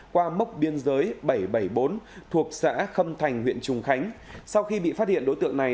qua mốc biên giới bảy trăm bảy mươi bốn thuộc xã khâm thành huyện trùng khánh sau khi bị phát hiện đối tượng này